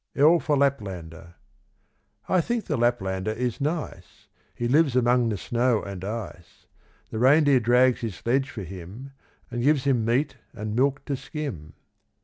L for Laplander. I think the Laplander is nice, He lives among the snow and ice; The reindeer drags his sledge for him, And gives him meat and milk to skim.